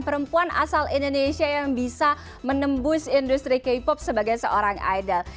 perempuan asal indonesia yang bisa menembus industri k pop sebagai seorang idol